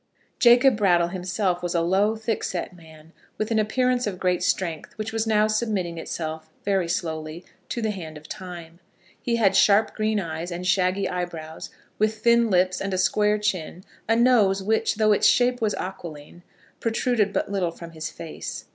Jacob Brattle, himself, was a low, thickset man, with an appearance of great strength, which was now submitting itself, very slowly, to the hand of time. He had sharp green eyes, and shaggy eyebrows, with thin lips, and a square chin, a nose which, though its shape was aquiline, protruded but little from his face.